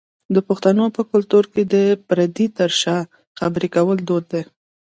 د پښتنو په کلتور کې د پردې تر شا خبری کول دود دی.